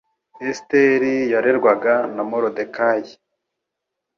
esiteri yarerwa ga na molodekayi